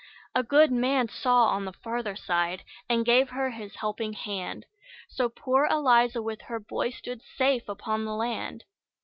A good man saw on the farther side, And gave her his helping hand; So poor Eliza, with her boy, Stood safe upon the land.